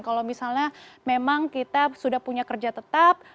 kalau misalnya memang kita sudah punya kerja tetap